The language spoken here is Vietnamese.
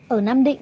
ở nam định